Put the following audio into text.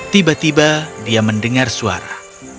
tiba tiba dia mendengar suara